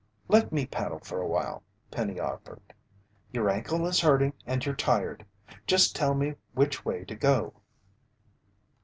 "Let me paddle for awhile," Penny offered. "Your ankle is hurting and you're tired. Just tell me which way to go."